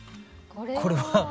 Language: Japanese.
これは。